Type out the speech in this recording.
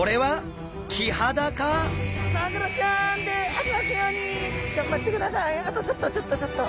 あとちょっとちょっとちょっと！